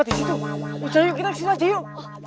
aduh ayo kita kesini aja yuk